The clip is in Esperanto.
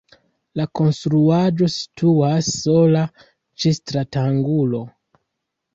La konstruaĵo situas sola ĉe stratangulo.